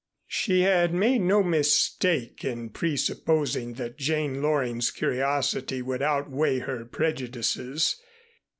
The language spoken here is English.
She had made no mistake in presupposing that Jane Loring's curiosity would outweigh her prejudices.